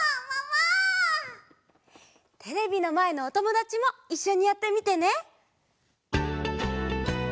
テレビのまえのおともだちもいっしょにやってみてね！